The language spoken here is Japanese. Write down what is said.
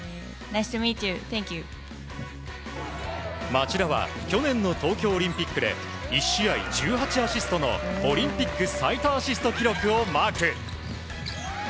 町田は去年の東京オリンピックで１試合１８アシストのオリンピック最多アシスト記録をマーク。